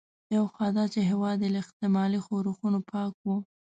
یو خو دا چې هېواد یې له احتمالي ښورښونو پاکاوه.